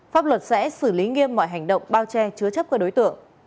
pháp luật sẽ xử lý nghiêm mọi hành động bao che chứa chấp các đối tượng